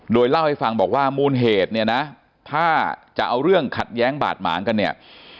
โดยเล่าให้ฟังบอกว่ามูลเหตุเนี่ยนะถ้าจะเอาเรื่องขัดแย้งบาดหมางกันเนี่ย